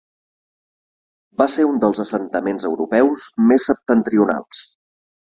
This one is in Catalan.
Va ser un dels assentaments europeus més septentrionals.